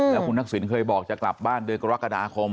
แล้วคุณทักษิณเคยบอกจะกลับบ้านเดือนกรกฎาคม